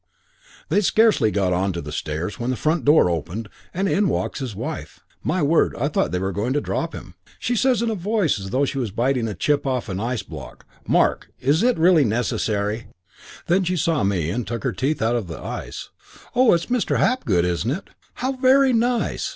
"They'd scarcely got on to the stairs when the front door opened and in walks his wife. My word, I thought they were going to drop him. She says in a voice as though she was biting a chip off an ice block, 'Mark, is it really necessary ' Then she saw me and took her teeth out of the ice. 'Oh, it's Mr. Hapgood, isn't it? How very nice!